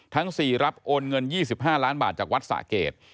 ทั้ง๔รับโอนเงิน๒๕ล้านบาทจากวัดสะเกด